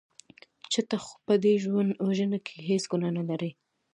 چې ته خو په دې وژنه کې هېڅ ګناه نه لرې .